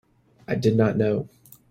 I did not know.